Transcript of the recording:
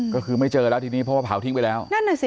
ก็คือไม่เจอแล้วที่นี้เพราะว่าเผาทิ้งไปแล้ว